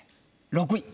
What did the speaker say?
６位。